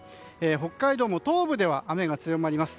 北海道も東部で雨が強まります。